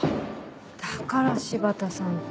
だから柴田さんと。